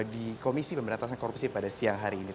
di komisi pemberantasan korupsi pada siang hari ini